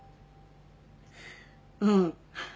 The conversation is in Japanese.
うん。